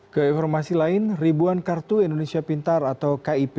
ke informasi lain ribuan kartu indonesia pintar atau kip